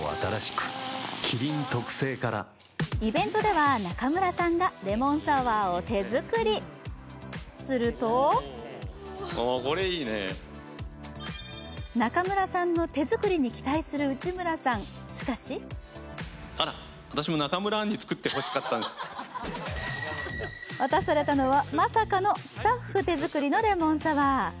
イベントでは中村さんがレモンサワーを手作り、すると中村さんの手作りに期待する内村さん、しかし渡されたのは、まさかのスタッフ手作りのレモンサワー。